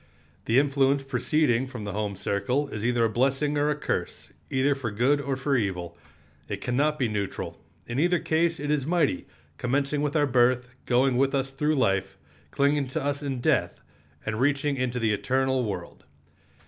The influence preceding from the home circle is either a blessing or a curse, either for good or for evil. It can not be neutral. In either case it is mighty, commencing with our birth, going with us through life, clinging to us in death, and reaching into the eternal world.